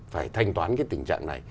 phải thanh toán cái tình trạng này